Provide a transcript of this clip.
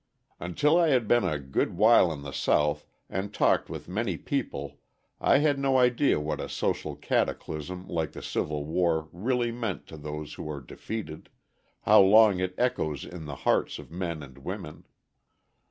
Until I had been a good while in the South and talked with many people I had no idea what a social cataclysm like the Civil War really meant to those who are defeated, how long it echoes in the hearts of men and women.